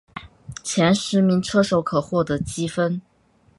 前十名车手可获得积分。